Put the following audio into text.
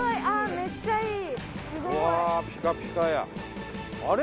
めっちゃいい！あれ？